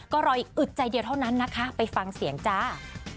ก็รออีกอึดใจเดียวเท่านั้นนะคะไปฟังเสียงจ้า